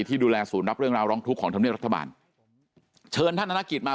ที่ดูแลสูญรัฐเรื่องราวรองทุกของฉมเนื้อรัฐบาลเชิญท่านธนกิจมา